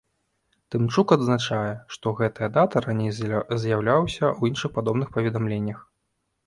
Тымчук адзначае, што гэтая дата раней з'яўлялася ў іншых падобных паведамленнях.